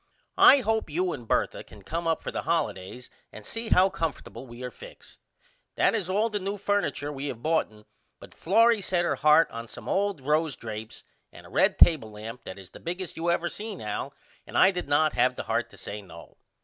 I hope you and Bertha can come up for the holidays and see how comfertible we are fixed. That is all the new furniture we have boughten but Florrie set her heart on some old Rose drapes and a red table lamp that is the biggest you ever seen Al and I did not have the heart to say no.